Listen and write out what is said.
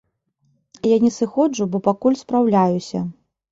Я не сыходжу, бо пакуль спраўляюся.